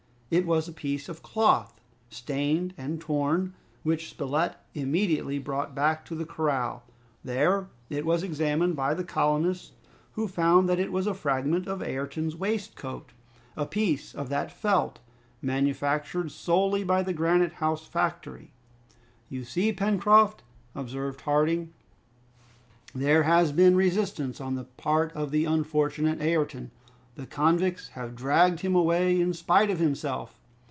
It was a piece of cloth, stained and torn, which Spilett immediately brought back to the corral. There it was examined by the colonists, who found that it was a fragment of Ayrton's waistcoat, a piece of that felt, manufactured solely by the Granite House factory. "You see, Pencroft," observed Harding, "there has been resistance on the part of the unfortunate Ayrton. The convicts have dragged him away in spite of himself!